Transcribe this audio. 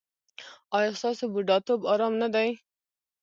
ایا ستاسو بوډاتوب ارام نه دی؟